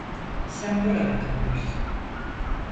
Sen burada kalıyorsun.